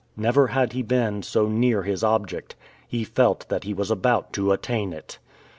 Never had he been so near his object. He felt that he was about to attain it!